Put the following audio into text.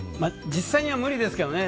実際には無理ですけどね。